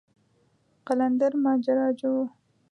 قلندر ماجراجو و.